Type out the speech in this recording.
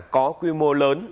có quy mô lớn